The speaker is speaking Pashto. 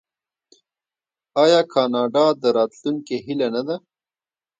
آیا کاناډا د راتلونکي هیله نه ده؟